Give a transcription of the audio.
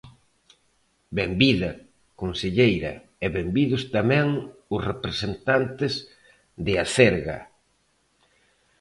Benvida, conselleira, e benvidos tamén os representantes de Acerga.